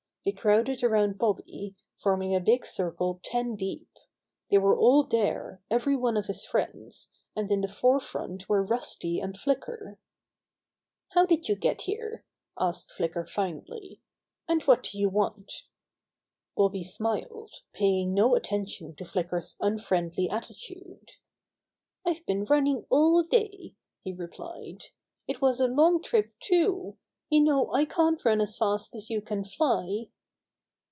They crowded around Bobby, forming a big circle ten deep. They were all there, every one of his friends, and in the fore front were Rusty and Flicker. "How did you get here?" asked Flicker finally. "And what do you want?" Bobby smiled, paying no attention to Flick er's unfriendly attitude. "I've been running all day," he replied. "It was a long trip, too. You know I can't run as fast as you can j9y."